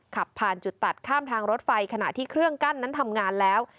ขับผ่านจุดตัดข้ามทางรถไฟขณะที่เครื่องกั้นนั้นทำงานแล้ว